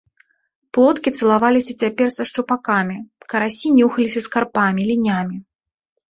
Плоткі цалаваліся цяпер са шчупакамі, карасі нюхаліся з карпамі, лінямі.